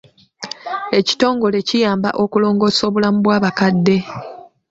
Ekitongole kiyamba okulongoosa obulamu bw'abakadde.